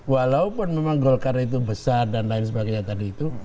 walaupun memang golkar itu besar dan lain sebagainya tadi itu